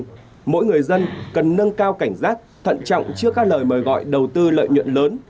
vì vậy mỗi người dân cần nâng cao cảnh giác thận trọng trước các lời mời gọi đầu tư lợi nhuận lớn